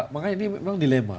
makanya ini memang dilema